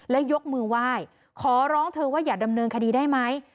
และยกมือไหว้ขอร้องเธอว่าอย่าดำเนินคดีได้ไหม